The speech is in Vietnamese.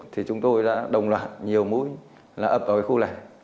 thì chúng tôi đã đồng loạt nhiều mũi là ập vào cái khu này